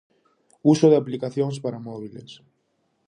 Uso de aplicacións para móbiles.